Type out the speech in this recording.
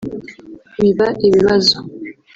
biba ibibazo